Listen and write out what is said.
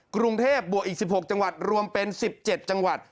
กรุงเทพบวกอีก๑๖จังหวัดรวมเป็น๑๗จังหวัด